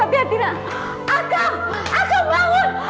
akka akka bangun